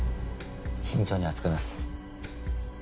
慎重に扱います。